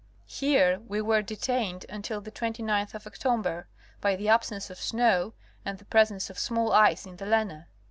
Here we were detained until the 29th of October, by the absence of snow and the presence of small ice in the Lena.